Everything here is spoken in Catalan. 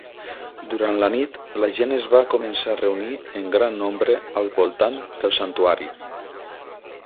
Durant la nit, la gent es va començar a reunir en gran nombre al voltant del santuari.